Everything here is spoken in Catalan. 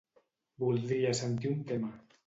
Voldria sentir un tema.